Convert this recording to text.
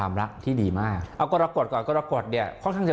ไม่เอาเอาตังค์